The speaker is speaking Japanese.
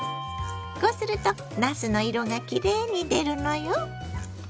こうするとなすの色がきれいに出るのよ。